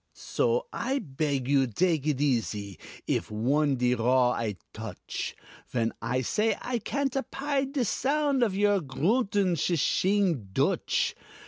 "So I beg you dake it easy If on de raw I touch, Vhen I say I can't apide de sound Of your groontin, shi shing Dutch.